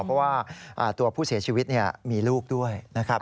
เพราะว่าตัวผู้เสียชีวิตมีลูกด้วยนะครับ